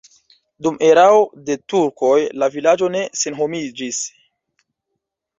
Dum erao de turkoj la vilaĝo ne senhomiĝis.